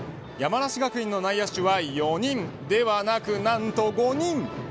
山梨学院の内野手は４人ではなくなんと５人。